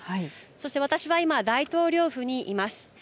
そして私は今大統領府にいます。